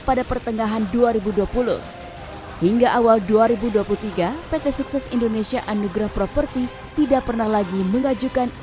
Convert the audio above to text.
izin prinsip pt sukses indonesia anugrah property telah habis masa berikutnya